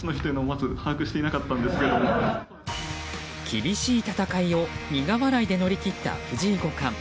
厳しい戦いを苦笑いで乗り切った藤井五冠。